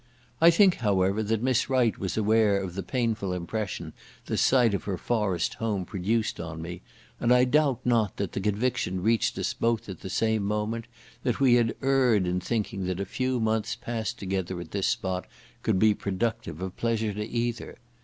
I think, however, that Miss Wright was aware of the painful impression the sight of her forest home produced on me, and I doubt not that the conviction reached us both at the same moment, that we had erred in thinking that a few months passed together at this spot could be productive of pleasure to either.